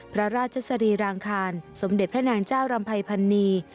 พระราชสรีรางคารสมเด็จพระนางเจ้ารำภัยพันนี